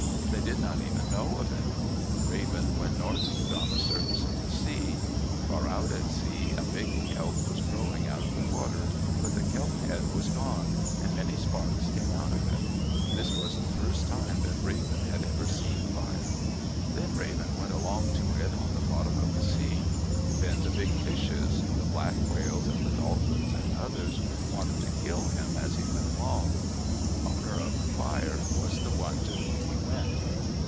They did not even know of it. Raven went northward on the surface of the sea. Far out at sea a big kelp was growing out of the water, but the kelp head was gone, and many sparks came out of it. This was the first time that Raven had ever seen fire. Then Raven went along to it on the bottom of the sea. Then the big fishes—the Black Whales, and the Dolphins, and others—wanted to kill him as he went along. Owner of the Fire was the one to whom he went.